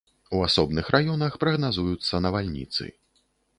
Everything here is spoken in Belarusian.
У асобных раёнах прагназуюцца навальніцы.